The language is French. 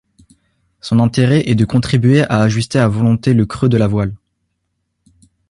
Son intérêt est de contribuer à ajuster à volonté le creux de la voile.